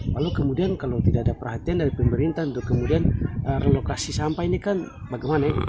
lalu kemudian kalau tidak ada perhatian dari pemerintah untuk kemudian relokasi sampah ini kan bagaimana